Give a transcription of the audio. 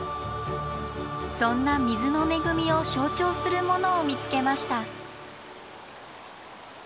そんな水の恵みを象徴するものを見つけました。